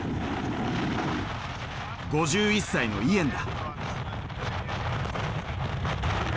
５１歳のイエンだ。